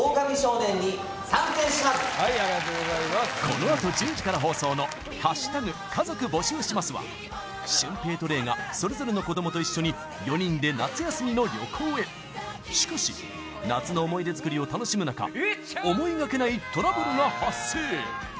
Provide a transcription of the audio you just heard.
このあと１０時から放送の「＃家族募集します」は俊平と礼がそれぞれの子どもと一緒に４人で夏休みの旅行へしかし夏の思い出づくりを楽しむ中思いがけないトラブルが発生！